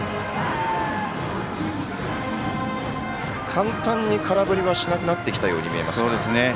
簡単に空振りはしなくなってきたように見えます。